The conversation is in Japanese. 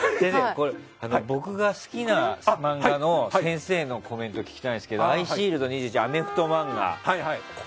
先生、僕が好きな漫画の先生のコメントを聞きたいんですが「アイシールド２１」という漫画。